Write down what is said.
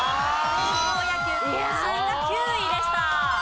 高校野球甲子園が９位でした。